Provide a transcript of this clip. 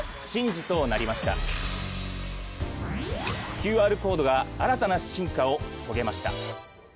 ＱＲコードが新たな進化を遂げました。